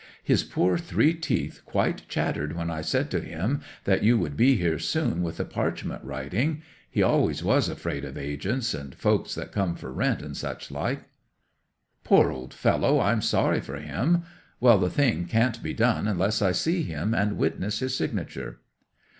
His poor three teeth quite chattered when I said to him that you would be here soon with the parchment writing. He always was afraid of agents, and folks that come for rent, and such like." '"Poor old fellow—I'm sorry for him. Well, the thing can't be done unless I see him and witness his signature."